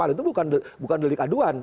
itu bukan delik aduan